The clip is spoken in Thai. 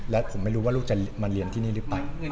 และผมไม่รู้ว่าลูกจะมาเรียนที่นี่หรือเปล่า